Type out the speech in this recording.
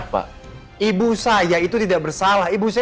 laporan itu gak bener ma